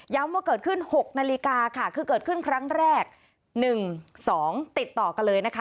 ว่าเกิดขึ้น๖นาฬิกาค่ะคือเกิดขึ้นครั้งแรก๑๒ติดต่อกันเลยนะคะ